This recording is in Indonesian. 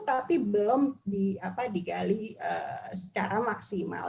tapi belum di apa digali secara maksimal